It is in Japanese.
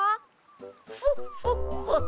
フォッフォッフォッ。